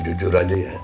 jujur aja ya